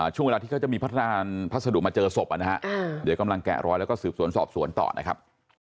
ช่วงเวลาที่เขาจะมีพัฒนาพัสดุมาเจอศพนะฮะเดี๋ยวกำลังแกะรอยแล้วก็สืบสวนสอบสวนต่อนะครับ